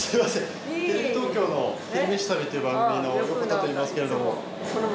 テレビ東京の「昼めし旅」っていう番組の横田といいますけれども。